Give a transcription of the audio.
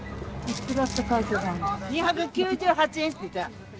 ２９８円って。